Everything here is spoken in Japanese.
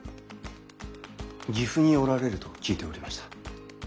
岐阜におられると聞いておりました。